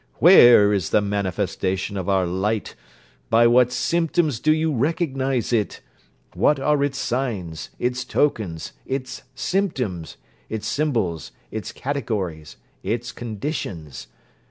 Where is the manifestation of our light? By what symptoms do you recognise it? What are its signs, its tokens, its symptoms, its symbols, its categories, its conditions?